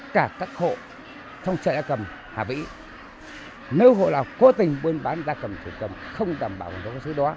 cố tình buôn bán gia cầm chủ cầm không đảm bảo nguồn gốc xuất đó